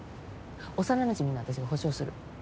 幼なじみの私が保証する。